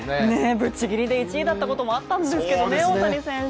ぶっちぎりで１位だったこともあったんですけどね、大谷選手。